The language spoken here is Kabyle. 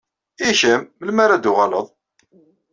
I kem, melmi ara d-tuɣaleḍ?